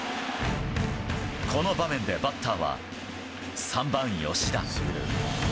この場面でバッターは３番、吉田。